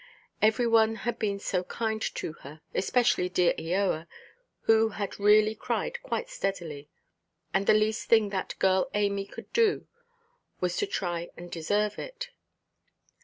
Every one had been so kind to her, especially dear Eoa, who had really cried quite steadily; and the least thing that girl Amy could do was to try and deserve it.